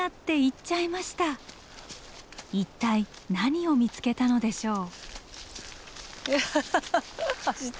一体何を見つけたのでしょう？